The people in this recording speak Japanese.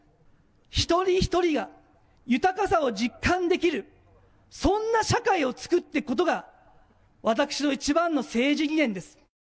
ひとりひとりが豊かさを実感できる、そんな社会をつくってくことが私の一番の政治理念です。